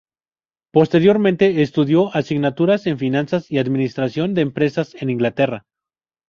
Posteriormente estudió asignaturas en finanzas y administración de empresas en Inglaterra.